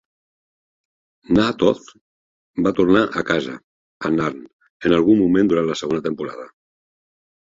Na'Toth va tornar a casa a Narn en algun moment durant la segona temporada.